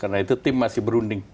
karena itu tim masih berunding